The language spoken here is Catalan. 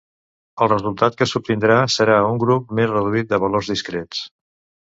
El resultat que s'obtindrà serà un grup més reduït de valors discrets.